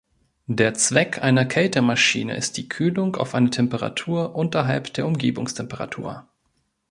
Der Zweck einer Kältemaschine ist die Kühlung auf eine Temperatur unterhalb der Umgebungstemperatur.